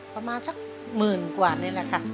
ประมาณสักหมื่นกว่านี่แหละค่ะ